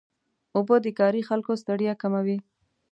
اوبه د کاري خلکو ستړیا کموي.